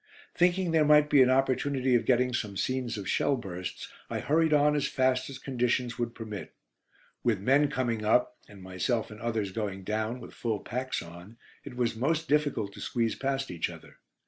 Thinking there might be an opportunity of getting some scenes of shell bursts, I hurried on as fast as conditions would permit. With men coming up, and myself and others going down, with full packs on, it was most difficult to squeeze past each other.